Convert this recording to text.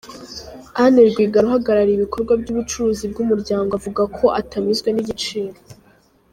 Anne Rwigara uhagarariye ibikorwa by’ubucuruzi bw’umuryango avuga ko atanyuzwe n’igiciro.